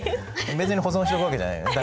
別に保存しとくわけじゃないよね